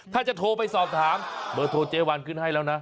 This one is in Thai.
ถ้าจะโทรไปสอบถามเบอร์โทรเจ๊วันขึ้นให้แล้วนะ